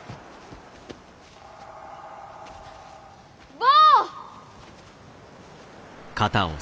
坊！